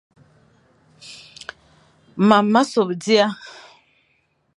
Mam ma sobe dia,